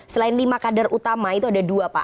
selain lima kader utama itu ada dua pak